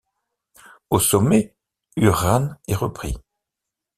Au sommet, Uran est repris.